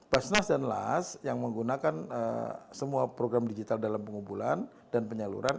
basnas dan las yang menggunakan semua program digital dalam pengumpulan dan penyaluran